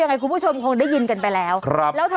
นี่ค่ะคุณผู้ชมพอจะจับต้นชนปลายได้ไหม